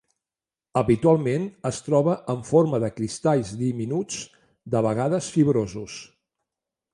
Habitualment es troba en forma de cristalls diminuts, de vegades fibrosos.